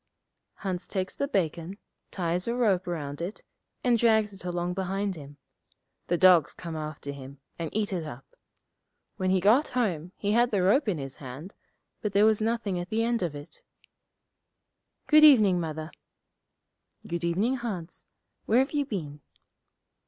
Hans takes the bacon, ties a rope round it, and drags it along behind him. The dogs come after him, and eat it up. When he got home he had the rope in his hand, but there was nothing at the end of it. 'Good evening, Mother.' 'Good evening, Hans. Where have you been?'